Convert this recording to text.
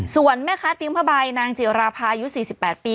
ส่วนแม่ค้าเตียงผ้าใบนางจิราภายุ๔๘ปี